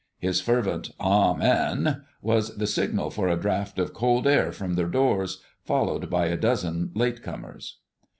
His fervent "Amen" was the signal for a draft of cold air from the doors, followed by a dozen late comers.